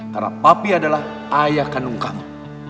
karena papi adalah ayah kandung kamu